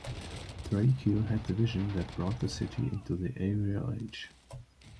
Thrailkill had the vision that brought the city into the aerial age.